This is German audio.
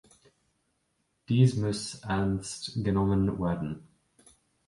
Dies muss ernst genommen werden.